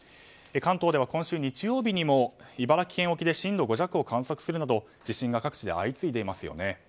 関東では今週日曜日にも茨城県沖で震度５弱を観測するなど地震が各地で相次いでいますよね。